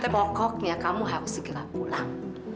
pokoknya kamu harus segera pulang